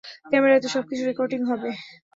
ক্যামেরায় তো সবকিছু রেকর্ডিং হবে।